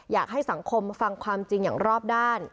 อยากให้สังคมฟังความจริงอย่างรอบด้าน